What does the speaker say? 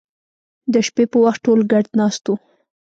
د شپې په وخت ټول ګډ ناست وو